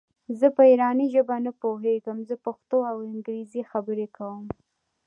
زه په ایراني ژبه نه پوهېږم زه پښتو او انګرېزي خبري کوم.